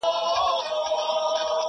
سر یې کښته ځړولی وو تنها وو.!